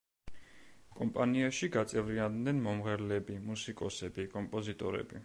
კომპანიაში გაწევრიანდნენ მომღერლები, მუსიკოსები, კომპოზიტორები.